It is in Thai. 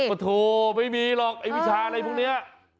โอ้โหไม่มีหรอกไอ้วิชาอะไรพวกนี้